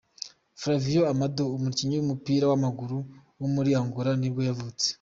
Flávio Amado, umukinnyi w’umupira w’amaguru wo muri Angola nibwo yavutse.